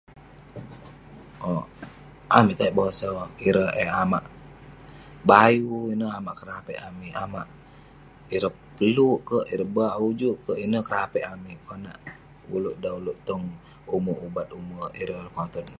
Owk, amik tajak bosau ireh eh amak bayu. Ineh eh amak kerapit amik. Amak ireh Pelu' kek, ireh bak ujuk kek, ineh kerapit amik. Konak ulouk dan ulouk tong ume' ubat ume' ireh lekoton.